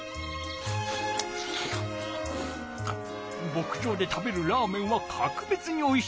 牧場で食べるラーメンはかくべつにおいしいのう。